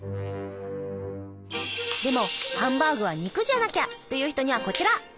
でもハンバーグは肉じゃなきゃ！という人にはこちら！